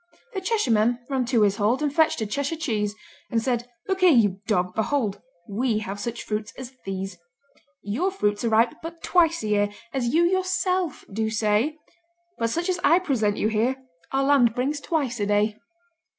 The Cheshireman ran to his hold And fetched a Cheshire cheese, And said, "Look here, you dog, behold! We have such fruits as these. Your fruits are ripe but twice a year, As you yourself do say, But such as I present you here Our land brings twice a day."